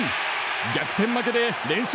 逆転負けで連勝